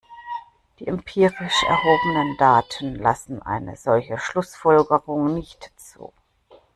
Die empirisch erhobenen Daten lassen eine solche Schlussfolgerung nicht zu.